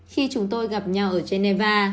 khi chúng tôi gặp nhau ở geneva